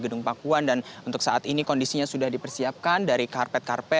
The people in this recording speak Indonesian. sombong cubu dengan luar kati ruangan udung pua